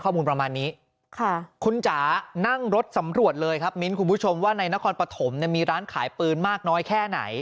คุณจานั่งรถสำรวจเลยครับมิ้นท์คุณผู้ชมในนครปฐมมีร้านขายปืนมากน้อยแค่ไหน